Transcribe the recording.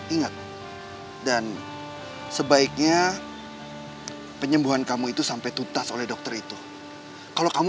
ingat dan sebaiknya penyembuhan kamu itu sampai tuntas oleh dokter itu kalau kamu